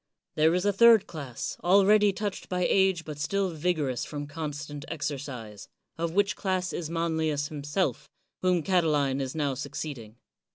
There is a third class, already touched by age, but still vigorous from constant exercise; of which class is Manlius himself, whom Catiline is now succeeding.